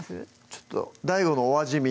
ちょっとＤＡＩＧＯのお味見